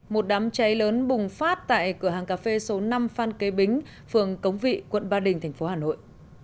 một đám cháy lớn bùng phát tại cửa hàng cà phê số năm phan kế bính phường cống vị quận ba đình tp hà nội